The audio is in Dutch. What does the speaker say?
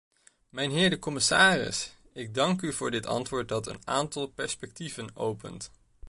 Mijnheer de commissaris, ik dank u voor dit antwoord dat een aantal perspectieven opent.